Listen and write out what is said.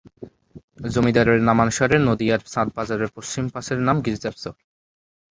জমিদারের নামানুসারে নদীয়ার চাঁদ বাজারের পশ্চিম পাশের নাম গির্জার চর।